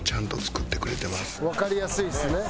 わかりやすいですね。